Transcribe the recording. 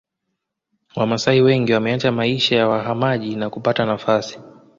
Wamasai wengi wameacha maisha ya wahamaji na kupata nafasi